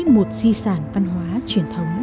một di sản văn hóa truyền thống